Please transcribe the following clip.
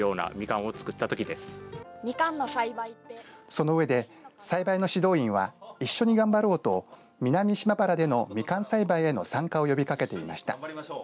その上で、栽培の指導員は一緒に頑張ろうと南島原でのみかん栽培への参加を呼びかけていました。